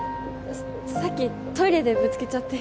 さっきトイレでぶつけちゃって。